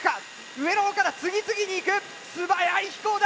上の方から次々にいく素早い飛行だ！